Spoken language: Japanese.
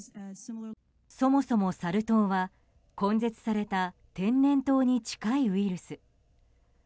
そもそもサル痘は根絶された天然痘に近いウイルス。